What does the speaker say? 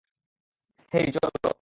হেই, চল।